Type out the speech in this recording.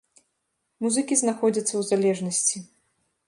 Музыкі знаходзяцца ў залежнасці.